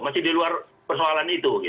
masih di luar persoalan itu